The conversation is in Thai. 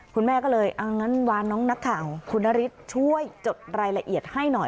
คุณแม่ก็เลยเอางั้นวานน้องนักข่าวคุณนฤทธิ์ช่วยจดรายละเอียดให้หน่อย